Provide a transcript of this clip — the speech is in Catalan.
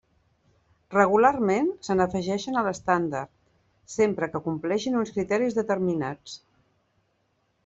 Regularment se n'afegeixen a l'estàndard, sempre que compleixin uns criteris determinats.